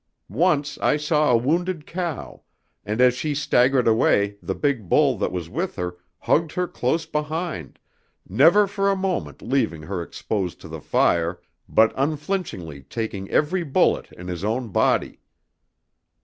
Once I saw a wounded cow, and as she staggered away the big bull that was with her hugged her close behind, never for a moment leaving her exposed to the fire, but unflinchingly taking every bullet in his own body.